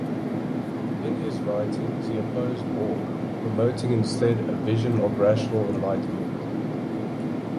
In his writings he opposed war, promoting instead a vision of rational enlightenment.